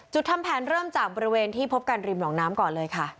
ทำแผนเริ่มจากบริเวณที่พบกันริมหนองน้ำก่อนเลยค่ะ